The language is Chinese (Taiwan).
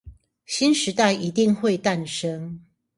新時代一定會誕生